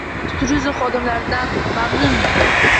Sayyohlar xavfsiz turizm xodimlaridan mamnun...mi?